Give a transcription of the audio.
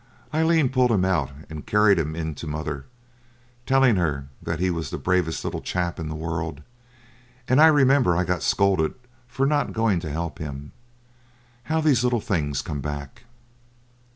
Aileen pulled him out, and carried him in to mother, telling her that he was the bravest little chap in the world; and I remember I got scolded for not going to help him. How these little things come back!